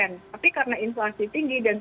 tapi karena inflasi tinggi dan